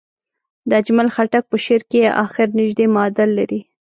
د اجمل خټک په شعر کې اخر نژدې معادل لري.